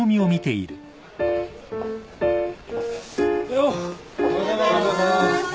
おはようございます。